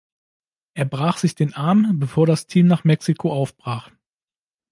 Er brach sich den Arm, bevor das Team nach Mexiko aufbrach.